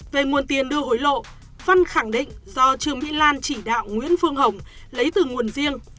về nguồn tiền đưa hối lộ phân khẳng định do trương mỹ lan chỉ đạo nguyễn phương hồng lấy từ nguồn riêng